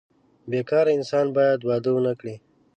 بې کاره انسان باید واده ونه کړي.